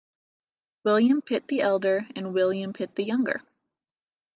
William Pitt the Elder and William Pitt the Younger.